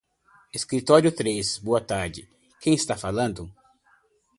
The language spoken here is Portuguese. Escritório três, boa tarde. Quem está falando?